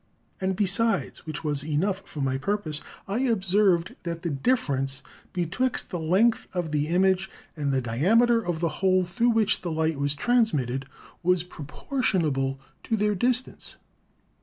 And besides (which was enough for my purpose) I observed, that the difference betwixt the length of the image, and the diameter of the hole, through which the light was transmitted, was proportionable to their distance.